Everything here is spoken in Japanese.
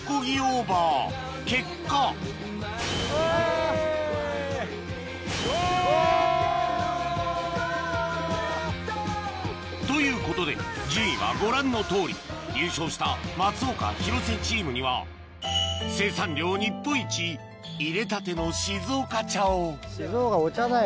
ゴール！ということで順位はご覧のとおり優勝した松岡・広瀬チームには生産量日本一入れたての静岡茶を静岡お茶だよ。